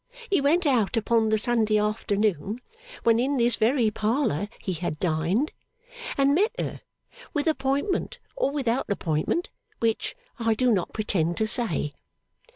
He went out upon the Sunday afternoon when in this very parlour he had dined, and met her, with appointment or without appointment; which, I do not pretend to say.